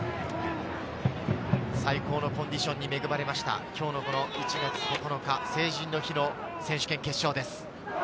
最高のコンディションに恵まれました、今日の１月９日、成人の日の選手権決勝です。